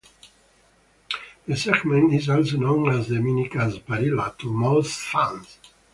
The segment is also known as a "Mini Gasparilla" to most fans.